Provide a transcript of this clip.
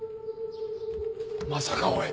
まさかおい。